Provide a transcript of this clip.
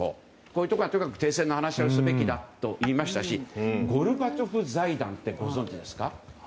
こういうところが停戦の話をすべきだといいましたしゴルバチョフ財団ってご存じですか？